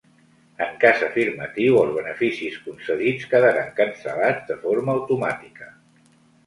En cas afirmatiu, els beneficis concedits quedaran cancel·lats de forma automàtica.